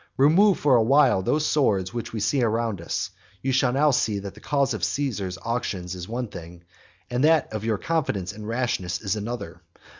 Remove for a while those swords which we see around us. You shall now see that the cause of Caesar's auctions is one thing, and that of your confidence and rashness is another.